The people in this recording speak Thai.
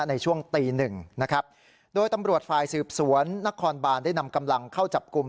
ในช่วงตีหนึ่งนะครับโดยตำรวจฝ่ายสืบสวนนครบานได้นำกำลังเข้าจับกลุ่ม